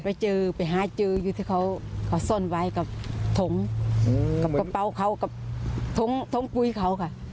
ไปเจอไปหาเจออยู่ที่เขาซ่อนไว้กับถงกับกระเป๋าเขากับท้องปุ้ยเขาค่ะ